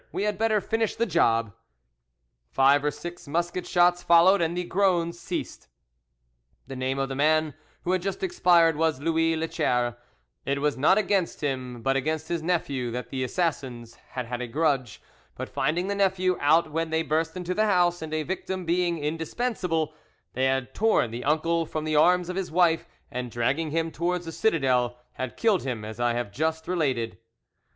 We had better finish the job." Five or six musket shots followed, and the groans ceased. The name of the man who had just expired was Louis Lichaire; it was not against him, but against his nephew, that the assassins had had a grudge, but finding the nephew out when they burst into the house, and a victim being indispensable, they had torn the uncle from the arms of his wife, and, dragging him towards the citadel, had killed him as I have just related.